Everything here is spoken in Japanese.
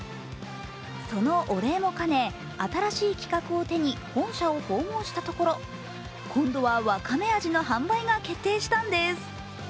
そのお礼も兼ね、新しい企画を手に本社を訪問したところ今度は、わかめ味の販売が決定したんです。